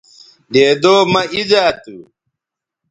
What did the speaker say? دیدو مہ اِیزا تھو